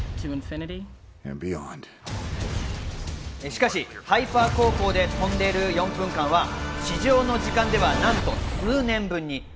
しかし、ハイパー航行で飛んでいる４分間は地上の時間では何と数年分に。